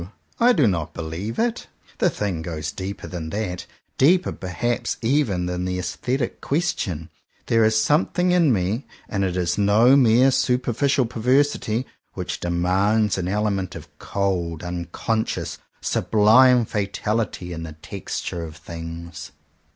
I do not believe it! The thing goes deeper than that; deeper perhaps even than the aesthetic question. There is some thing in me — and it is no mere superficial perversity — which demands an element of cold, unconscious, sublime fatality in the texture of things.